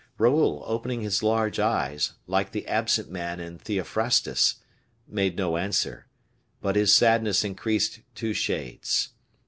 Raoul, opening his large eyes, like the absent man in Theophrastus, made no answer, but his sadness increased two shades.